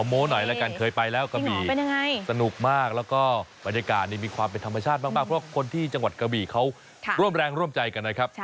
โม้หน่อยแล้วกันเคยไปแล้วกะบี่สนุกมากแล้วก็บรรยากาศนี่มีความเป็นธรรมชาติมากเพราะคนที่จังหวัดกระบี่เขาร่วมแรงร่วมใจกันนะครับ